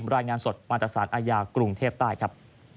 รายงานสดมาจากสารอาญากรุงเทพใต้ครับ